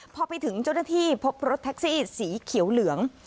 พอไปถึงเจ้าหน้าที่พบรถแท็กซี่สีเขียวเหลือง